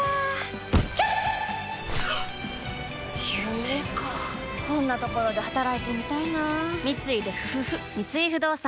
夢かこんなところで働いてみたいな三井不動産